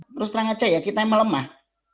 terus terang acai ya kita emang lemah